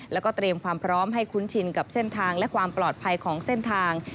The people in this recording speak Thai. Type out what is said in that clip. แล้วก็เตรียมความพร้อมให้คุ้นชินกับเส้นทางและความปลอดภัยของเส้นทาง